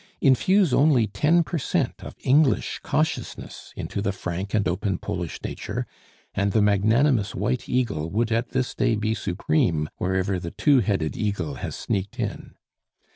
Infuse only ten per cent of English cautiousness into the frank and open Polish nature, and the magnanimous white eagle would at this day be supreme wherever the two headed eagle has sneaked in.